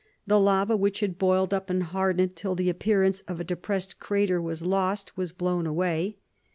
The lava which had boiled up and hardened till the appearance of a depressed crater was lost was blown away.